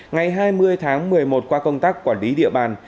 ngày hai mươi tháng một mươi một qua công tác quản lý địa bàn